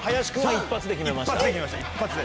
一発で決めました一発で。